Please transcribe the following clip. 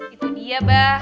itu dia ba